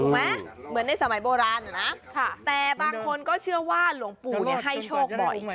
เหมือนในสมัยโบราณนะแต่บางคนก็เชื่อว่าหลวงปู่ให้โชคบ่อย